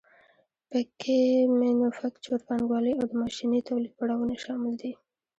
پکې مینوفکچور پانګوالي او د ماشیني تولید پړاوونه شامل دي